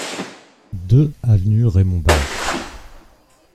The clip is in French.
deux avenue Raymond Barre